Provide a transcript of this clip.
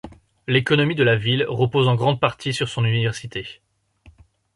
L'économie de la ville repose en grande partie sur son université.